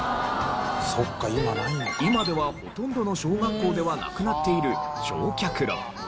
今ではほとんどの小学校ではなくなっている焼却炉。